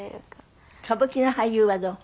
歌舞伎の俳優はどう？